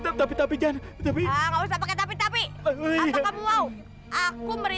teman teman sekarang kalian boleh pergi